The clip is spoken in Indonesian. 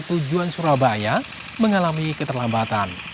tujuan surabaya mengalami keterlambatan